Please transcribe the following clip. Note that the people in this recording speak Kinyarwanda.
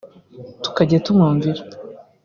tukajya tumwumvira